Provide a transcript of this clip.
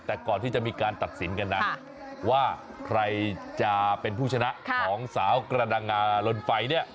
แต่ก่อนที่จะมีการตัดสินกันนะว่าใครจะเป็นผู้ชนะของสาวกระดังงาลนไฟเนี่ย